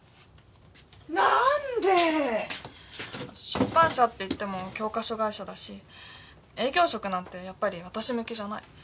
出版社っていっても教科書会社だし営業職なんてやっぱり私向きじゃない。